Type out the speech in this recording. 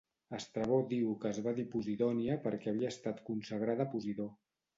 Estrabó diu que es va dir Posidònia perquè havia estat consagrada a Posidó.